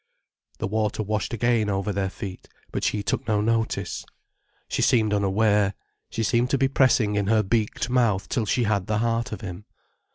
The water washed again over their feet, but she took no notice. She seemed unaware, she seemed to be pressing in her beaked mouth till she had the heart of him.